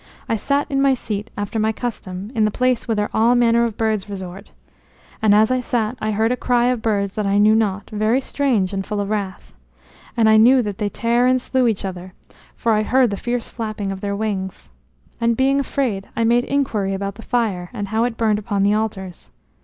I sat in my seat, after my custom, in the place whither all manner of birds resort. And as I sat I heard a cry of birds that I knew not, very strange and full of wrath. And I knew that they tare and slew each other, for I heard the fierce flapping of their wings. And being afraid, I made inquiry about the fire, how it burned upon the altars.